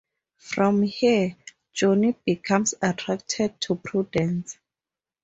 From here, Johnny becomes attracted to Prudence.